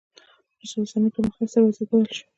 وروسته د صنعت پرمختګ سره وضعیت بدل شو.